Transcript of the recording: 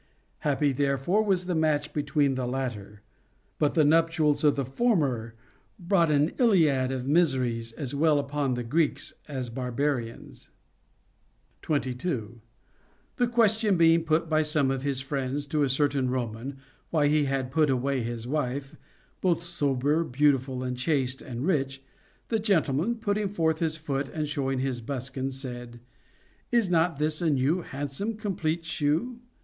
Happy there fore was the match between the latter ; but the nuptials of the former brought an Iliad of miseries as well upon the Greeks as barbarians. 22. The question being put by some of his friends to a certain Roman, why he had put away his wife, both sober. 494 CONJUGAL PRECEPTS. beautiful, chaste, and rich, the gentleman, putting forth his foot and showing his buskin, said : Is not this a new, handsome, complete shoe